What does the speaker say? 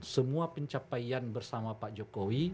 semua pencapaian bersama pak jokowi